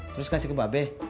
terus kasih ke babe